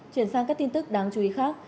chuyển sang các tin tức đáng chú ý khác